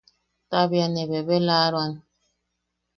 Ta bea ne bebelaaroan.